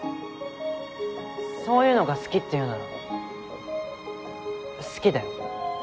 そういうのが「好き」っていうなら好きだよ。